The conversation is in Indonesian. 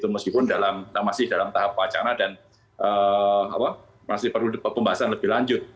meskipun masih dalam tahap wacana dan masih perlu pembahasan lebih lanjut